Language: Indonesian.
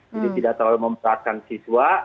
jadi tidak semuanya memperkuatkan siswa